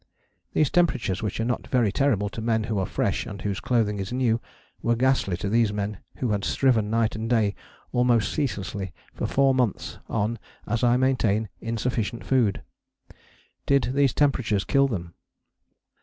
These temperatures, which are not very terrible to men who are fresh and whose clothing is new, were ghastly to these men who had striven night and day almost ceaselessly for four months on, as I maintain, insufficient food. Did these temperatures kill them?